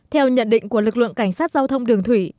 theo nhận định của lực lượng cảnh sát giao thông đường thủy